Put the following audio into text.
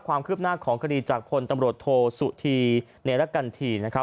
ความขึ้นหน้าของคตีรจากพทโทสุธีเนรกรรถี